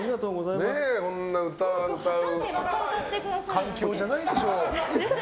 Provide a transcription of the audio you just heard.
こんな歌う環境じゃないでしょう。